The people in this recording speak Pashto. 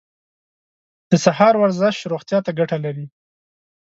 د سهار ورزش روغتیا ته ګټه لري.